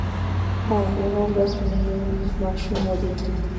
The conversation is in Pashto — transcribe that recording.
هو، یوه ورځ مې یو ماشوم ولید